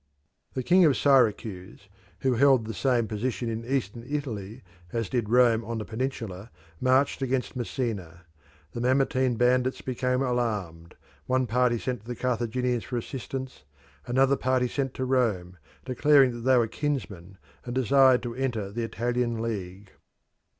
The king of Syracuse, who held the same position in eastern Sicily as did Rome on the peninsula, marched against Messina. The Mamertine bandits became alarmed; one party sent to the Carthaginians for assistance; another party sent to Rome, declaring that they were kinsmen and desired to enter the Italian league.